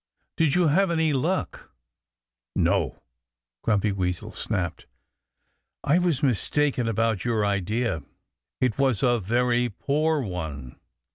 "Did you have any luck?" "No!" Grumpy Weasel snapped. "I was mistaken about your idea. It was a very poor one.